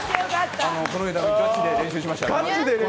この日のためにガチで練習しました。